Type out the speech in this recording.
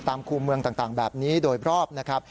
คู่เมืองต่างแบบนี้โดยรอบนะครับ